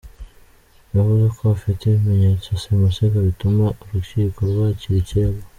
Yavuze ko bafite ibimenyetso simusiga bituma urukiko rwakira ikirego.